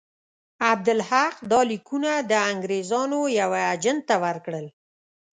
عبدالحق دا لیکونه د انګرېزانو یوه اجنټ ته ورکړل.